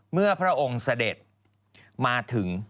เมื่อพระองค์เสด็จมาถึง